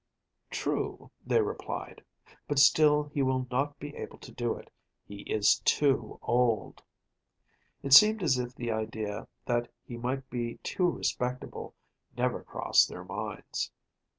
True, they replied; but still he will not be able to do it: he is too old. It seemed as if the idea that he might be too respectable never crossed their minds.